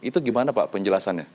itu gimana pak penjelasannya